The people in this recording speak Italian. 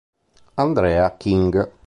Andrea King